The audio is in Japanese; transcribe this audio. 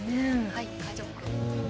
はい、家族。